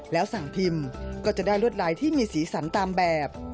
แล้วสั่งพิมพ์ก็จะได้ลวดลายที่มีสีสันตามแบบ